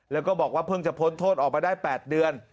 แล้วก็บอกว่าเพิ่งจะพ้นโทษออกมาได้๘เดือน